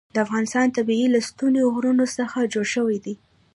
د افغانستان طبیعت له ستوني غرونه څخه جوړ شوی دی.